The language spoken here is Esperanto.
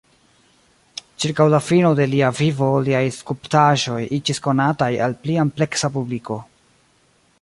Ĉirkaŭ la fino de lia vivo liaj skulptaĵoj iĝis konataj al pli ampleksa publiko.